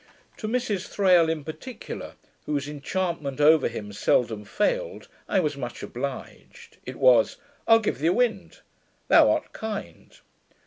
To Mrs Thrale in particular, whose enchantment over him seldom failed, I was much obliged. It was, 'I'll give thee a wind.' 'Thou art kind.'